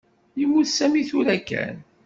Yemmut Sami tura kan.